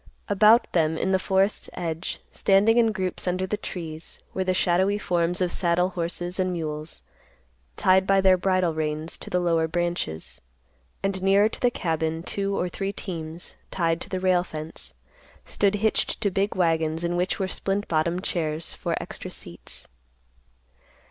About them in the forest's edge, standing in groups under the trees, were the shadowy forms of saddle horses and mules, tied by their bridle reins to the lower branches; and nearer to the cabin, two or three teams, tied to the rail fence, stood hitched to big wagons in which were splint bottom chairs for extra seats.